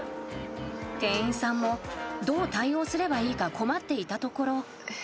［店員さんもどう対応すればいいか困っていたところ］